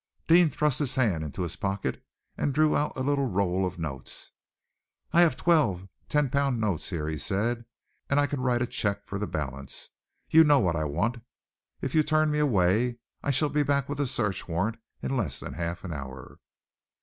Deane thrust his hand into his pocket, and drew out a little roll of notes. "I have twelve ten pound notes here," he said, "and I can write a cheque for the balance. You know what I want. If you turn me away, I shall be back with a search warrant in less than half an hour."